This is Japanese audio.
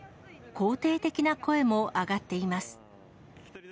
肯定的な声も上がっています。